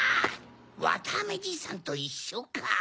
わたあめじいさんといっしょか。